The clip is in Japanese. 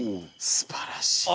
すばらしいです。